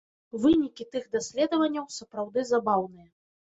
Вынікі тых даследаванняў сапраўды забаўныя.